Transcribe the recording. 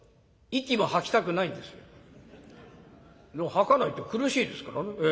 でも吐かないと苦しいですからね。